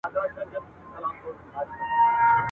چي پخوا د بوډۍ ټال وو اوس غروب وینم په خوب کي !.